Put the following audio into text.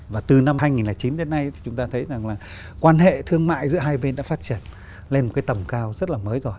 và từ năm hai nghìn chín đến nay chúng ta thấy rằng là quan hệ thương mại giữa hai bên đã phát triển lên một cái tầm cao rất là mới rồi